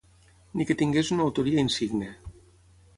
Ni que tingués una autoria insigne.